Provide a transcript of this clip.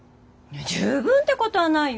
十分ってことはないよ。